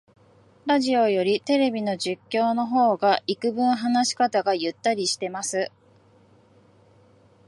ラジオよりテレビの実況の方がいくぶん話し方がゆったりしてます